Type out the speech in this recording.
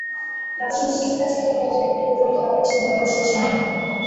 প্রাথমিক শিক্ষার স্তর কত দূর পর্যন্ত হবে, সে তর্ক শেষ হয়নি।